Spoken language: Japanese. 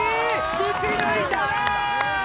ぶち抜いた！